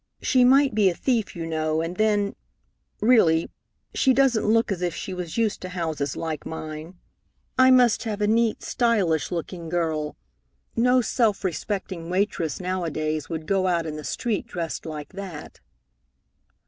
She might be a thief, you know, and then really, she doesn't look as if she was used to houses like mine. I must have a neat, stylish looking girl. No self respecting waitress nowadays would go out in the street dressed like that."